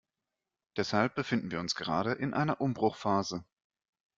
Deshalb befinden wir uns gerade in einer Umbruchphase.